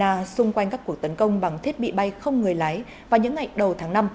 nga xung quanh các cuộc tấn công bằng thiết bị bay không người lái vào những ngày đầu tháng năm